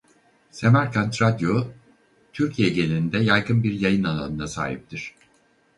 Semerkand Radyo Türkiye genelinde yaygın bir yayın alanına sahiptir.